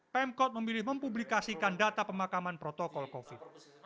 pemkot memilih mempublikasikan data pemakaman protokol covid